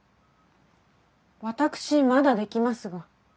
私まだできますが？